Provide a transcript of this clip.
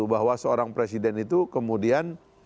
bahwa seorang presiden itu kemudian